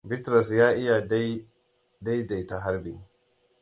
Bitrus ya iya dai daita harbi.